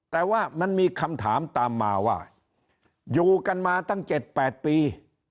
แต่ว่ามันมีคำถามตามมาว่าอยู่กันมาตั้ง๗๘ปี